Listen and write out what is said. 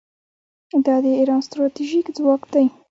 دا د ایران ستراتیژیک ځواک دی.